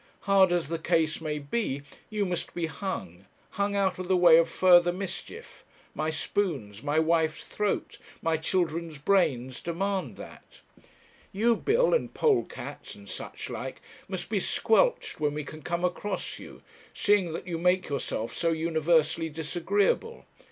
Hard as the case may be, you must be hung; hung out of the way of further mischief; my spoons, my wife's throat, my children's brains, demand that. You, Bill, and polecats, and such like, must be squelched when we can come across you, seeing that you make yourself so universally disagreeable.